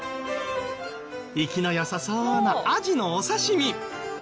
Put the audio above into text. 活きの良さそうなアジのお刺し身。